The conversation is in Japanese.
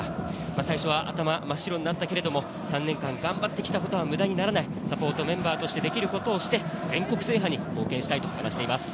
最初は頭真っ白になったけれども、３年間頑張ってきたことは無駄にならないサポートメンバーとして、できることをして、全国制覇に貢献したいと話しています。